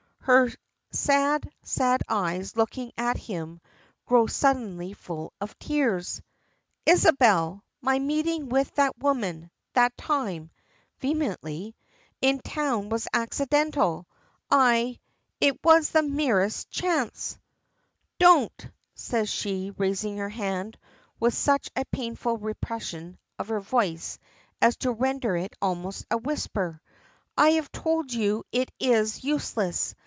Her sad, sad eyes, looking at him, grow suddenly full of tears. "Isabel! My meeting with that woman that time" vehemently "in town was accidental! I It was the merest chance " "Don't!" says she, raising her hand, with such a painful repression of her voice as to render it almost a whisper; "I have told you it is useless.